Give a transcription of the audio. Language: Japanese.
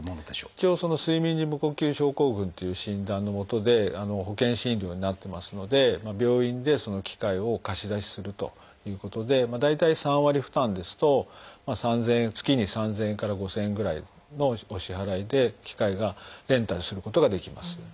一応睡眠時無呼吸症候群っていう診断のもとで保険診療になってますので病院でその機械を貸し出しするということで大体３割負担ですと月に３，０００円から５，０００円ぐらいのお支払いで機械がレンタルすることができます。